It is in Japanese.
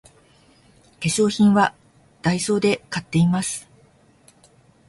化粧品はダイソーで買っています